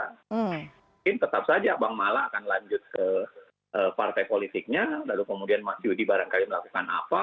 mungkin tetap saja bang mala akan lanjut ke partai politiknya lalu kemudian mas yudi barangkali melakukan apa